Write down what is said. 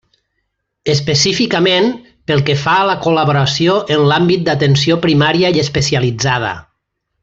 Específicament, pel que fa a la col·laboració en l'àmbit d'atenció primària i especialitzada.